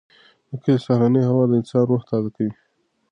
د کلي سهارنۍ هوا د انسان روح تازه کوي.